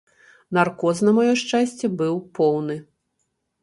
Наркоз, на маё шчасце, быў поўны.